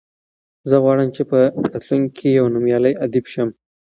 زه غواړم چې په راتلونکي کې یو نومیالی ادیب شم.